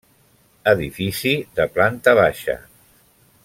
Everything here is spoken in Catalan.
Edifici de planta baixa.